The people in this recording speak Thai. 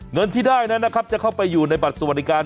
เงินที่ได้นั้นนะครับจะเข้าไปอยู่ในบัตรสวัสดิการ